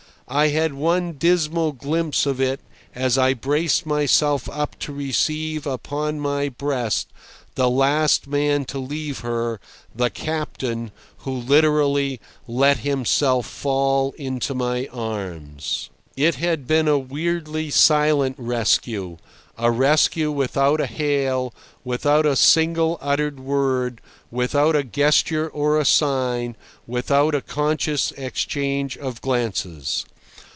I had one dismal glimpse of it as I braced myself up to receive upon my breast the last man to leave her, the captain, who literally let himself fall into my arms. It had been a weirdly silent rescue—a rescue without a hail, without a single uttered word, without a gesture or a sign, without a conscious exchange of glances.